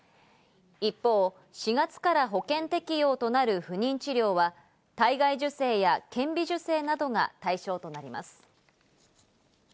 一方、４月から保険適用となる不妊治療は体外受精や顕微授精などが対象となります。